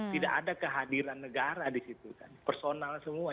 tidak ada kehadiran negara di situ kan personal semua